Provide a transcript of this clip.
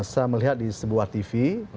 saya melihat di sebuah tv